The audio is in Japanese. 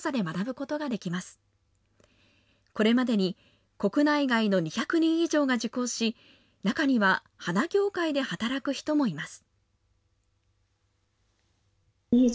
これまでに国内外の２００人以上が受講し、中には花業界で働く人もいます。